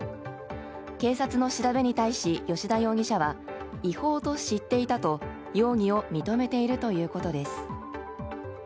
警察の調べに対し吉田容疑者は違法と知っていたと容疑を認めているということです。